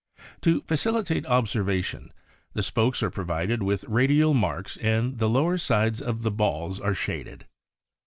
To facili tate observation the spokes are provided with radial marks and the lower sides of the balls are shaded.